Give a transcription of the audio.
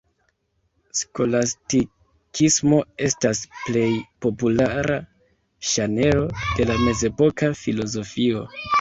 Skolastikismo estas plej populara ŝanelo de la mezepoka filozofio.